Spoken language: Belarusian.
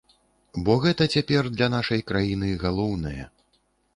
Бо гэта цяпер для нашай краіны галоўнае.